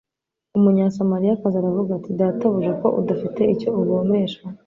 Umunyasamariyakazi aravuga ati, “Databuja, ko udafite icyo uvomesha